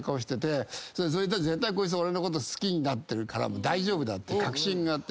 絶対こいつは俺のこと好きになってるから大丈夫って確信あって。